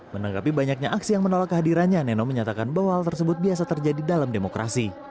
menanggapi banyaknya aksi yang menolak kehadirannya neno menyatakan bahwa hal tersebut biasa terjadi dalam demokrasi